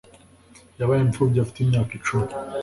Yabaye impfubyi afite imyaka icumi.